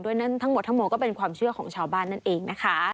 นั่นทั้งหมดทั้งหมดก็เป็นความเชื่อของชาวบ้านนั่นเองนะคะ